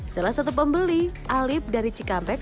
salah satu pembeli alip dari cikampek